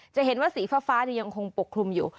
จะเห็นว่าสีฟ้ายังคงปกคลุมอยู่